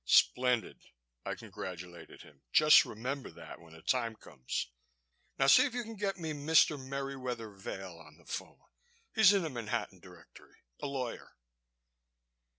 "Splendid!" I congratulated him. "Just remember that, when the time comes. Now see if you can get me Mr. Merriwether Vail on the phone. He's in the Manhattan Directory a lawyer."